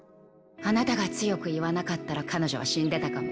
あなたが強く言わなかったら彼女は死んでたかも。